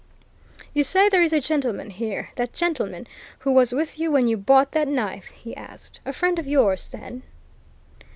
"You say there is a gentleman here that gentleman! who was with you when you bought that knife?" he asked. "A friend of yours, then?"